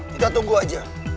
kita tunggu aja